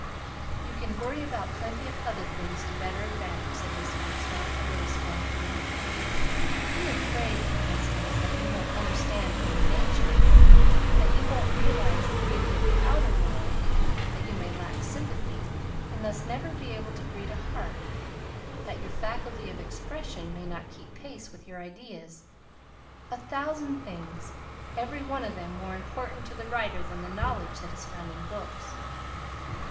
"You could worry about plenty of other things to better advantage," said Miss Maxwell, a little scornfully. "Be afraid, for instance, that you won't understand human nature; that you won't realize the beauty of the outer world; that you may lack sympathy, and thus never be able to read a heart; that your faculty of expression may not keep pace with your ideas, a thousand things, every one of them more important to the writer than the knowledge that is found in books.